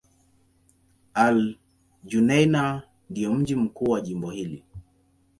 Al-Junaynah ndio mji mkuu wa jimbo hili.